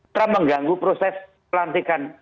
termengganggu proses pelantikan